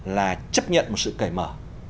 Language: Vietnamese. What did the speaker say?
là chấp nhận một sự kể mở